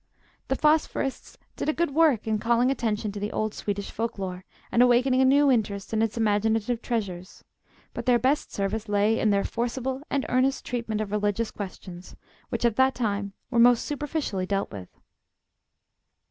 The Phosphorists did a good work in calling attention to the old Swedish folk lore, and awakening a new interest in its imaginative treasures. But their best service lay in their forcible and earnest treatment of religious questions, which at that time were most superficially dealt with.